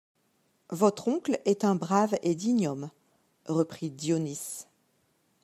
Votre oncle est un brave et digne homme, reprit Dionis.